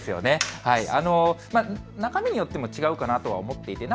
中身によっても違うかなと思っています。